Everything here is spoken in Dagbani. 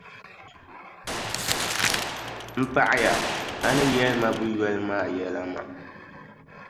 M paɣiya a ni yɛli ma buʼ yoli maa yɛla maa.